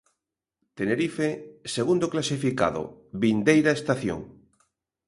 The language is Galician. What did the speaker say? Tenerife, segundo clasificado, vindeira estación.